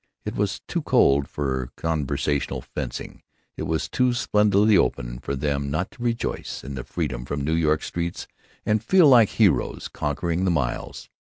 It was too cold for conversational fencing. It was too splendidly open for them not to rejoice in the freedom from New York streets and feel like heroes conquering the miles.